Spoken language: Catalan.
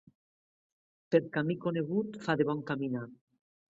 Per camí conegut fa de bon caminar.